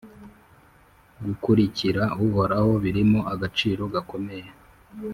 gukurikira Uhoraho birimo agaciro gakomeye.